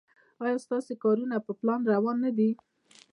ایا ستاسو کارونه په پلان روان نه دي؟